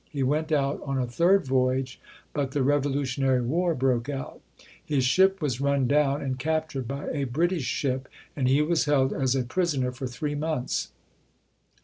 He went out on a third voyage, but the Revolutionary War broke out. His ship was run down and cap PAUL CUFFE [ 253 tured by a British ship, and he was held as a pris oner for three months.